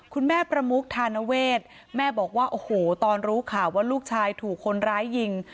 ประมุกธานเวทแม่บอกว่าโอ้โหตอนรู้ข่าวว่าลูกชายถูกคนร้ายยิง